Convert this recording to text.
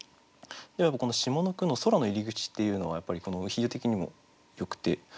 この下の句の「空の入り口」っていうのはやっぱりこの比喩的にもよくて。